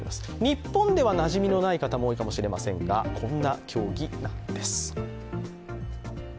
日本ではなじみのない方も多いかもしれませんがこんな競技なんです。